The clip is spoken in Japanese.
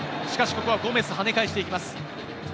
しかし、ここはゴメス、はね返していきます。